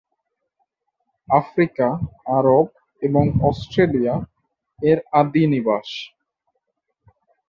Africa, Arab এবং Australia এর আদি নিবাস।